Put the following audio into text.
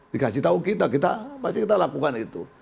dikasih tahu kita kita pasti kita lakukan itu